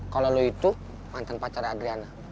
kalau lu itu mantan pacaran adriana